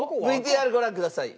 ＶＴＲご覧ください。